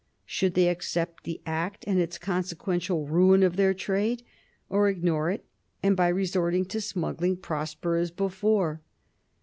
Should they accept the Act and its consequential ruin of their trade or ignore it, and by resorting to smuggling prosper as before?